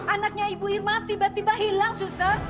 anaknya ibu irma tiba tiba hilang susah